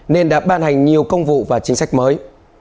nên đã ban hành nhiều công vụ và chính sách mới